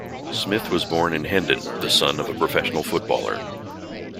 Smith was born in Hendon, the son of a professional footballer.